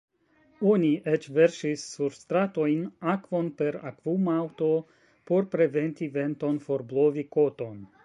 Oni eĉ verŝis sur stratojn akvon per akvumaŭto por preventi venton forblovi koton.